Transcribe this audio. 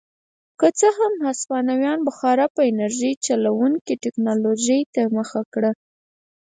که څه هم هسپانیا بخار په انرژۍ چلېدونکې ټکنالوژۍ ته مخه کړه.